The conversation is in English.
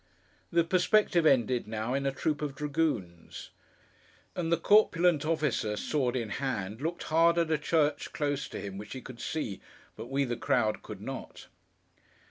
The perspective ended, now, in a troop of dragoons. And the corpulent officer, sword in hand, looked hard at a church close to him, which he could see, but we, the crowd, could not.